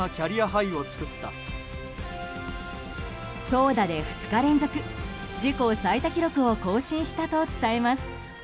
投打で２日連続自己最多記録を更新したと伝えます。